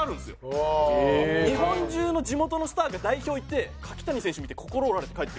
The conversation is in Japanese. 日本中の地元のスターが代表行って柿谷選手見て心折られて帰ってくる。